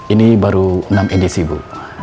ini baru enam edc bu